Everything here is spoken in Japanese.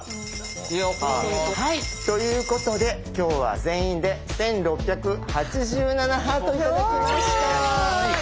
はいということで今日は全員で１６８７ハート頂きました。